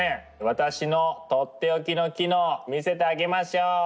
私の取って置きの機能見せてあげましょう。